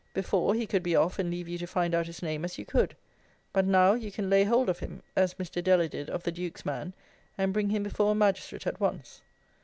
Before, he could be off and leave you to find out his name as you could; but now you can lay hold of him, as Mr. Deller did of the Duke's man, and bring him before a Magistrate at once.